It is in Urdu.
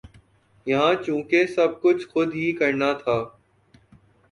یہاں چونکہ سب کچھ خود ہی کرنا تھا